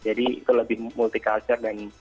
jadi itu lebih multi kultur dan